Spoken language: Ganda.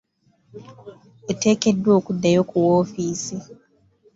Oteekeddwa okuddayo ku woofiisi